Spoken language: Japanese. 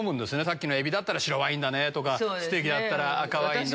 さっきのエビだったら白ワインステーキだったら赤ワイン。